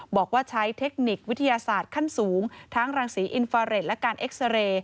บอกว่าใช้เทคนิควิทยาศาสตร์ขั้นสูงทั้งรังสีอินฟาเรทและการเอ็กซาเรย์